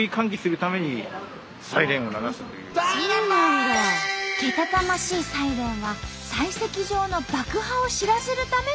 けたたましいサイレンは砕石場の爆破を知らせるための音なんと！